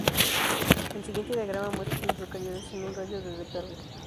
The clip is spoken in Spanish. El siguiente diagrama muestra a las localidades en un radio de de Perry.